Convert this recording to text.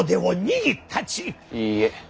いいえ。